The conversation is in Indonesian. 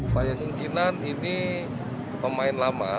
upaya kemungkinan ini pemain lama